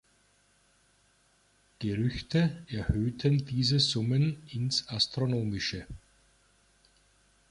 Gerüchte erhöhten diese Summen ins Astronomische.